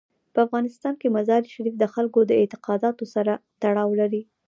په افغانستان کې مزارشریف د خلکو د اعتقاداتو سره تړاو لري.